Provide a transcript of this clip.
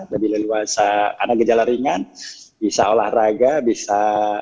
lebih leluasa karena gejala ringan bisa olahraga bisa